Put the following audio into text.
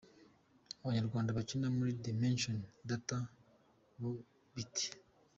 Abanyarwanda bakina muri Dimension Data bo bite?.